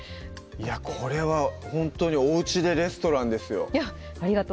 これはほんとにおうちでレストランですよ